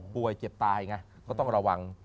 เจ็บตายไงก็ต้องระวัง